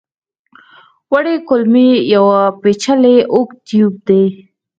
وړې کولمې یو پېچلی اوږد ټیوب دی.